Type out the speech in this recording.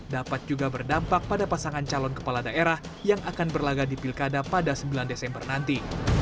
dapat juga berdampak pada pasangan calon kepala daerah yang akan berlaga di pilkada pada sembilan desember nanti